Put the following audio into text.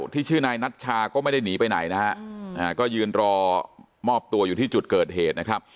ที่ชื่อนายนัชชาก็ไม่ได้หนีไปไหนนะฮะก็ยืนรอมอบตัวอยู่ที่จุดเกิดเหตุนะครับ